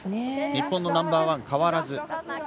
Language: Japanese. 日本のナンバーワンは変わらず。